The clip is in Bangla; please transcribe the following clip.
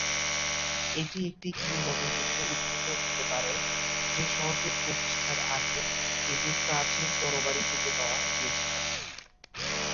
এটি একটি কিংবদন্তি থেকে উদ্ভূত হতে পারে যে শহরটির প্রতিষ্ঠার আগে একটি প্রাচীন তরবারি খুঁজে পাওয়া গিয়েছিল।